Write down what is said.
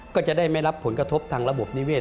ก็จะได้ไม่รับผลกระทบทางระบบนิเวศ